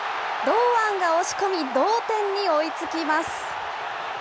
堂安が押し込み、同点に追いつきます。